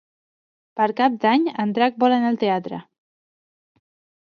Per Cap d'Any en Drac vol anar al teatre.